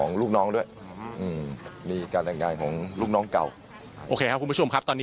อเจมส์อ๋อละพิทราเขาเข้าไปพร้อมฉันว่าไง